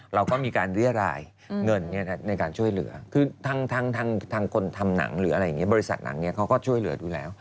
เราก็มีการเรื่อยรายเงินในการช่วยเหลือคือทางคนทำหนังบริษัทหนังเขาก็ช่วยเหลือดูแล